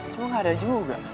cuma gak ada juga